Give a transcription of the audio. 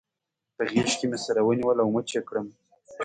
په غېږ کې مې سره ونیول او مچ يې کړم.